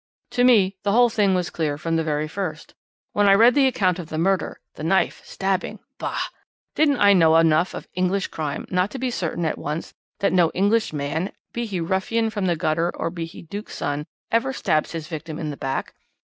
"To me the whole thing was clear from the very first. When I read the account of the murder the knife! stabbing! bah! Don't I know enough of English crime not to be certain at once that no English_man_, be he ruffian from the gutter or be he Duke's son, ever stabs his victim in the back.